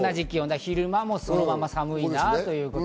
昼間もそのまま寒いなということ。